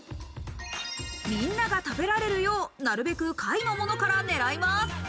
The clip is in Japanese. みんなが食べられるよう、なるべく下位のものから狙います。